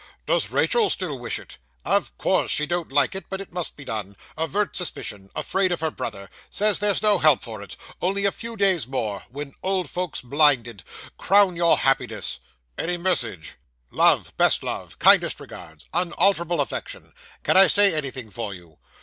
'Does Rachael still wish it?' 'Of course she don't like it but must be done avert suspicion afraid of her brother says there's no help for it only a few days more when old folks blinded crown your happiness.' 'Any message?' 'Love best love kindest regards unalterable affection. Can I say anything for you?